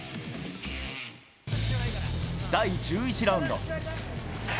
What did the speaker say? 第１１ラウンド。